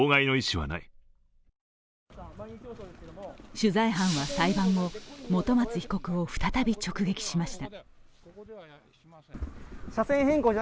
取材班は裁判後、本松被告を再び直撃しました。